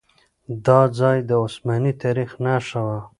دا ځای د عثماني تاريخ نښه وه.